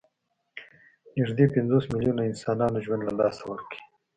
نږدې پنځوس میلیونو انسانانو ژوند له لاسه ورکړ.